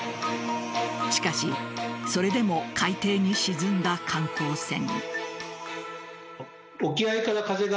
しかし、それでも海底に沈んだ観光船。